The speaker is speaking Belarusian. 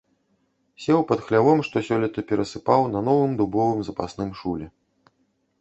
Сеў пад хлявом, што сёлета перасыпаў, на новым дубовым запасным шуле.